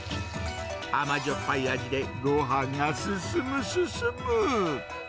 甘じょっぱいあじで、ごはんが進む、進む。